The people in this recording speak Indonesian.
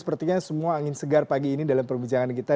sepertinya semua angin segar pagi ini dalam perbincangan kita